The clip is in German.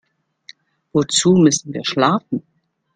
Wozu müssen wir schlafen?